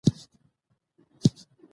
افغانستان کې پسه د خلکو د خوښې وړ ځای دی.